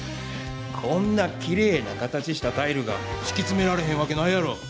こんなきれいな形したタイルがしきつめられへんわけないやろ！